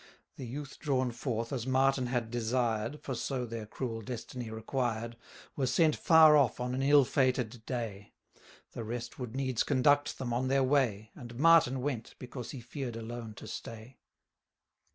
The youth drawn forth, as Martin had desired 590 (For so their cruel destiny required), Were sent far off on an ill fated day; The rest would needs conduct them on their way, And Martin went, because he fear'd alone to stay.